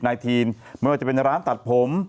ทีนไม่ว่าจะเป็นร้านตัดผม